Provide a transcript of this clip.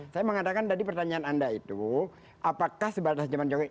saya mengatakan tadi pertanyaan anda itu apakah sebatas zaman jokowi